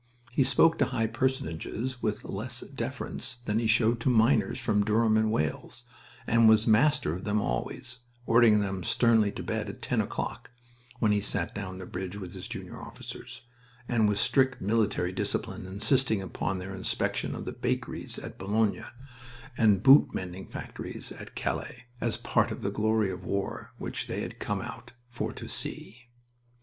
He spoke to High Personages with less deference than he showed to miners from Durham and Wales, and was master of them always, ordering them sternly to bed at ten o'clock (when he sat down to bridge with his junior officers), and with strict military discipline insisting upon their inspection of the bakeries at Boulogne, and boot mending factories at Calais, as part of the glory of war which they had come out for to see.